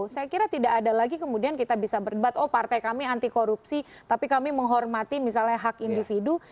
saya kira tidak ada lagi kemudian kita bisa berdebat oh partai kami anti korupsi tapi kami menghormati misalnya hak individu